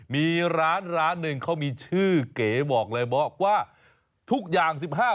มีร้านร้านหนึ่งเขามีชื่อเก๋บอกเลยบอกว่าทุกอย่าง๑๕บาท